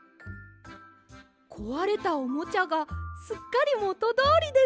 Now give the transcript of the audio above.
こわれたおもちゃがすっかりもとどおりです！